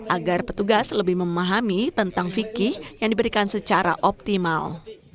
agar petugas lebih memahami tentang fikih yang diberikan secara optimal